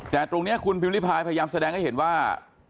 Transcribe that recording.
แต่ตรงนี้คุณพิมริพายพยายามแสดงให้เห็นว่า